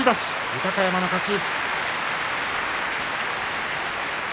豊山の勝ち。